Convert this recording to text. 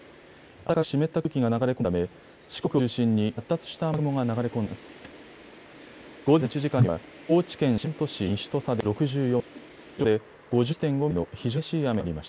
暖かく湿った空気が流れ込んでいるため四国を中心に発達した雨雲が流れ込んでいます。